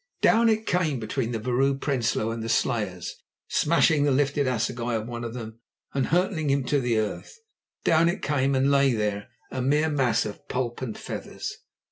_ Down it came between the Vrouw Prinsloo and the slayers, smashing the lifted assegai of one of them and hurling him to the earth. Down it came, and lay there a mere mass of pulp and feathers.